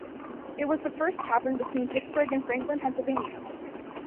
This was the first tavern between Pittsburgh and Franklin, Pennsylvania.